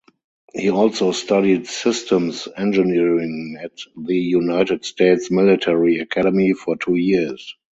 He also studied systems engineering at the United States Military Academy for two years.